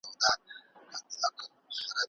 ایا اسلام د انسان حقونه خوندي کړي دي؟